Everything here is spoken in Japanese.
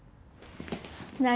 何？